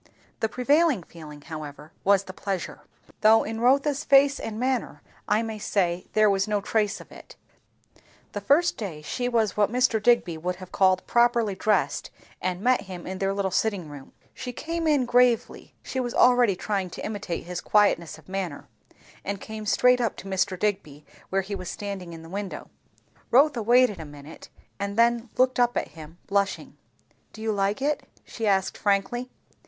The prevailing feeling however was the pleasure; though in Rotha's face and manner I may say there was no trace of it, the first day she was what Mr. Digby would have called "properly dressed," and met him in their little sitting room. She came in gravely, (she was already trying to imitate his quietness of manner) and came straight up to Mr. Digby where he was standing in the window. Rotha waited a minute, and then looked up at him, blushing. "Do you like it?" she asked frankly.